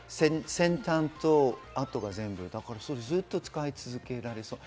先端と、あとが全部ずっと使い続けられそう。